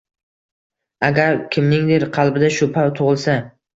Agar kimningdir qalbida shubha tug'ilsa